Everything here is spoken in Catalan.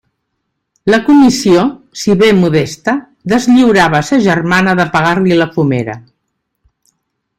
La comissió, si bé modesta, deslliurava a sa germana de pagar-li la fumera.